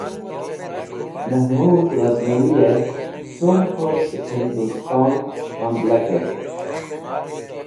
Mehmood Ghaznawiye Cumqur Sẽk Hinduston hamla Kert